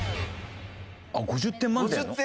あっ５０点満点なの？